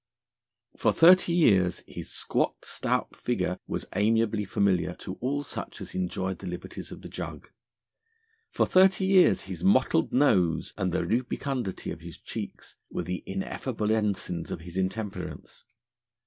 For thirty years his squat, stout figure was amiably familiar to all such as enjoyed the Liberties of the Jug. For thirty years his mottled nose and the rubicundity of his cheeks were the ineffaceable ensigns of his intemperance.